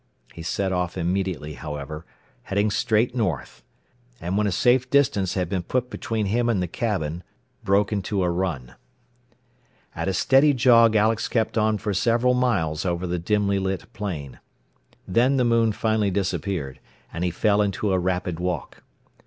He set off immediately, however, heading straight north, and when a safe distance had been put between him and the cabin, broke into a run. At a steady jog Alex kept on for several miles over the dimly lit plain. Then the moon finally disappeared, and he fell into a rapid walk.